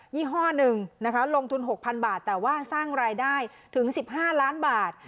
ยี่ห้อหนึ่งนะคะลงทุนหกพันบาทแต่ว่าสร้างรายได้ถึงสิบห้าร้านบาท